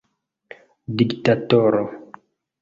diktatoro